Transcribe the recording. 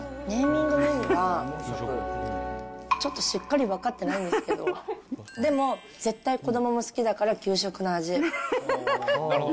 ネーミングの意味は、ちょっとしっかり分かってないんですけど、でも、絶対子どもも好きだから、給食の味。